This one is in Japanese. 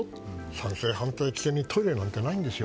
賛成、反対、棄権にトイレなんてないんです。